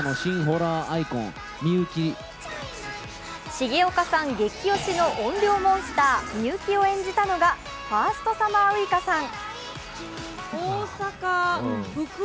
重岡さん激推しの怨霊モンスター・美雪を演じたのはファーストサマーウイカさん。